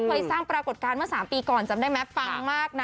เคยสร้างปรากฏการณ์เมื่อ๓ปีก่อนจำได้ไหมปังมากนะ